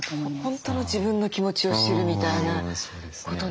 本当の自分の気持ちを知るみたいなことなんですかね。